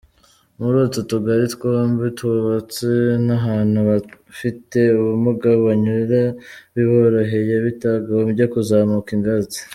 Muri utu tugali twombi, twubatse n’ahantu abafite ubumuga banyura biboroheye, batagombye kuzamuka ingazi».